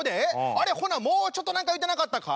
あれほなもうちょっと何か言うてなかったか？